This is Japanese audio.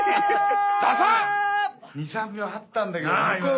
２３秒あったんだけど向こう